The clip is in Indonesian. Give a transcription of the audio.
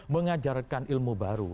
mengajarkan ilmu baru